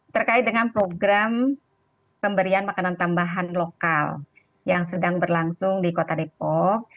terkait dengan program pemberian makanan tambahan lokal yang sedang berlangsung di kota depok